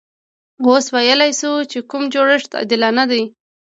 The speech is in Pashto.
اوس ویلای شو چې کوم جوړښت عادلانه دی.